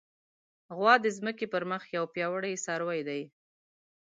غوا د ځمکې پر مخ یو پیاوړی څاروی دی.